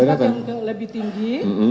ke tempat yang lebih tinggi